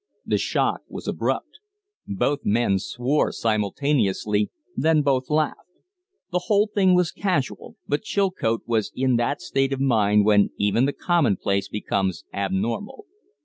The shock was abrupt. Both men swore simultaneously, then both laughed. The whole thing was casual, but Chilcote was in that state of mind when even the commonplace becomes abnormal.